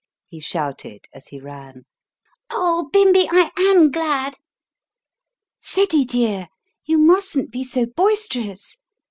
he shouted as he ran. "Oh, Bimbi, I am glad!" "Ceddie, dear, you mustn't be so boisterous!"